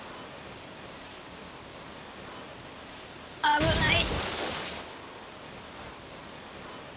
危ない！